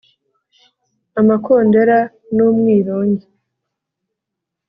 Amakondera n'umwirongi